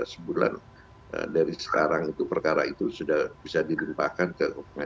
sebulan dari sekarang berkara itu sudah bisa dilimpahkan keadilan jadikan ini sebelum cuy ini